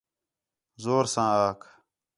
زور ساں آکھ